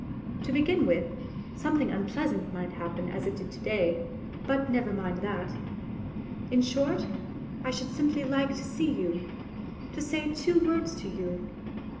To begin with, something unpleasant might happen as it did to day, but never mind that. . In short, I should simply like to see you ... to say two words to you.